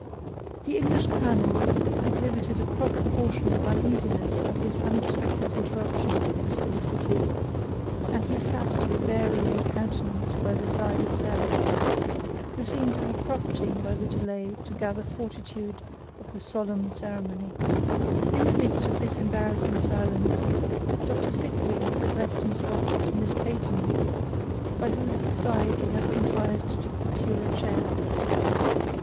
The English colonel exhibited a proper portion of uneasiness at this unexpected interruption of his felicity, and he sat with a varying countenance by the side of Sarah, who seemed to be profiting by the delay to gather fortitude for the solemn ceremony. In the midst of this embarrassing silence, Doctor Sitgreaves addressed himself to Miss Peyton, by whose side he had contrived to procure a chair.